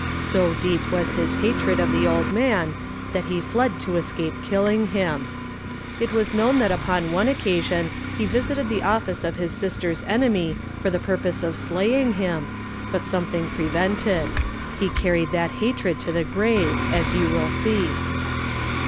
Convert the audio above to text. So deep was his hatred of the old man that he fled to escape killing him. It was known that upon one occasion he visited the office of his sister's enemy for the purpose of slaying him, but something prevented. He carried that hatred to the grave, as you will see."